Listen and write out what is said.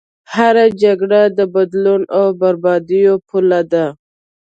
هره جګړه د بدلون او بربادیو پوله ده.